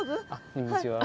こんにちは。